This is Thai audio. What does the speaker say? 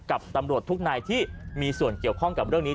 กับตำรวจทุกนายที่มีส่วนเกี่ยวข้องกับเรื่องนี้